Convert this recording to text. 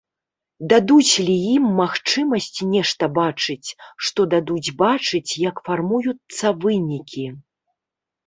Дадуць лі ім магчымасць нешта бачыць, што дадуць бачыць, як фармуюцца вынікі.